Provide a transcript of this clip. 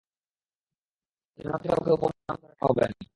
আর জান্নাতে কাউকে উপনাম ধরে ডাকা হবে না।